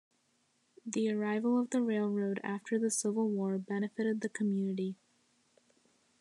The arrival of the railroad after the Civil War benefited the community.